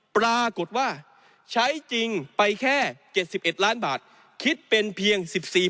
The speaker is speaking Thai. ปรากฏว่าใช้จริงไปแค่๗๑ล้านบาทคิดเป็นเพียง๑๔